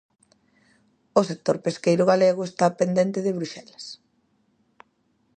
O sector pesqueiro galego está pendente de Bruxelas...